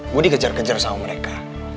mau dikejar kejar sama mereka